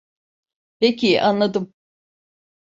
Peki, anladım.